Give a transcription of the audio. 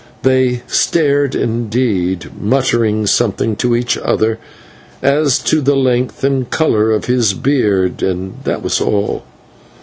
They stared indeed, muttering something to each other as to the length and colour of his beard, and that was all.